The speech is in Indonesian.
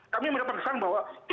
kami mendapat kesan bahwa